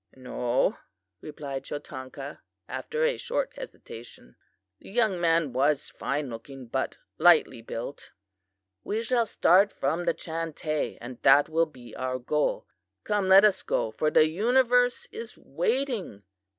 "'No,' replied Chotanka, after a short hesitation. The young man was fine looking, but lightly built. "'We shall start from the Chantay, and that will be our goal. Come, let us go, for the universe is waiting!